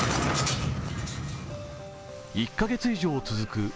１カ月以上続く